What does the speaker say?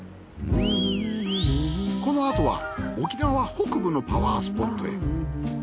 このあとは沖縄北部のパワースポットへ。